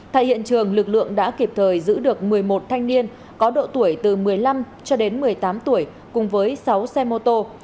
tại hiện trường lực lượng đã kịp thời giữ được một mươi một thanh niên có độ tuổi từ một mươi năm cho đến một mươi tám tuổi cùng với sáu xe mô tô